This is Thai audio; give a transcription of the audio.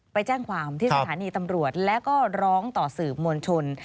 ไปแจ้งความที่สถานีตำรวจแล้วก็ร้องต่อสื่อมวลชน